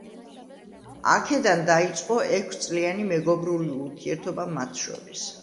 აქედან დაიწყო ექვს წლიანი მეგობრული ურთიერთობა მათ შორის.